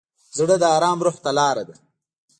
زړه د ارام روح ته لاره ده.